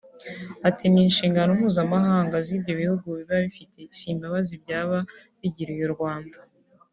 ati “Ni inshingano mpuzamahanga z’ibyo bihugu bibafite si imbabazi byaba bigiriye u Rwanda”